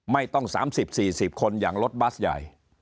ไม่ต้อง๓๐๔๐คนอย่างรถบัสใหญ่